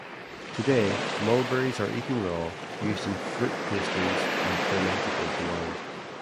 Today, mulberries are eaten raw, used in fruit pastries, and fermented into wine.